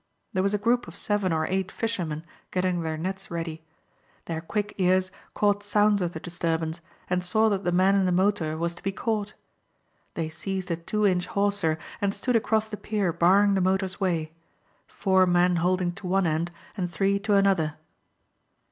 There was a group of seven or eight fishermen getting their nets ready. Their quick ears caught sounds of the disturbance and saw that the man in the motor was to be caught. They seized a two inch hawser and stood across the pier barring the motor's way. Four men holding to one end and three, to another.